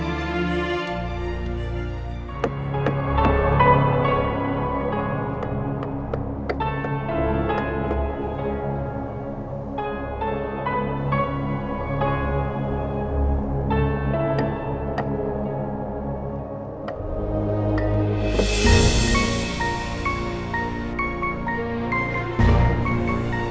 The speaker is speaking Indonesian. sudah nyampah atau enggak arah ini